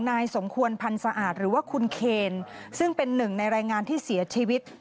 นายสมควรพันธ์สะอาดหรือว่าคุณเคนซึ่งเป็นหนึ่งในรายงานที่เสียชีวิต